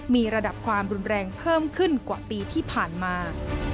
มีระดับความรุนแรงเพิ่มขึ้นกว่าปีที่ผ่านมา